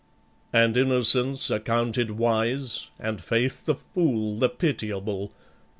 And Innocence accounted wise, And Faith the fool, the pitiable.